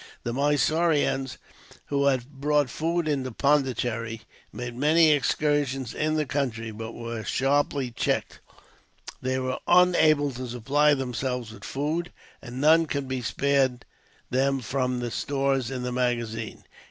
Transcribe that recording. The Mysoreans, who had brought food into Pondicherry, made many excursions in the country, but were sharply checked. They were unable to supply themselves with food, and none could be spared them from the stores in the magazines.